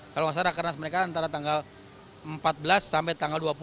kalau nggak salah karena mereka antara tanggal empat belas sampai tanggal dua puluh